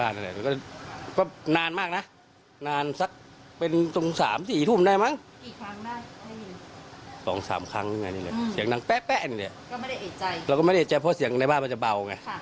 เราก็ไม่ได้เอกใจเพราะเสียงในบ้านมันจะเบาไง